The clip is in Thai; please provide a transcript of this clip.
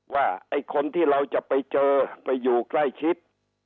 ว่าไอ้คนที่เราจะไปเจอไปอยู่ใกล้ชิด